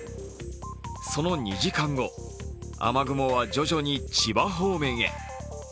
その２時間後、雨雲は徐々に千葉方面へ。